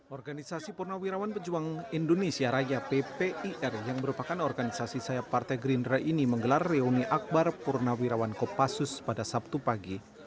organisasi purnawirawan pejuang indonesia raya ppir yang merupakan organisasi sayap partai gerindra ini menggelar reuni akbar purnawirawan kopassus pada sabtu pagi